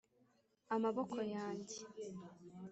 amaboko yanjye!